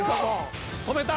止めた！